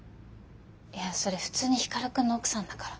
いやそれ普通に光くんの奥さんだから。